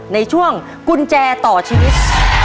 ในช่วงกุญแจต่อชีวิต